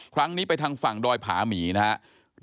ครั้งนี้ไปทางฝั่งดอยผาหมีนะครับ